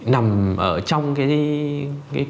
nằm ở trong cái